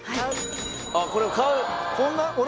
あっこれを買う！